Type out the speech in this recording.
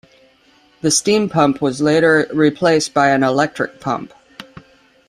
The steam pump was later replaced by an electric pump.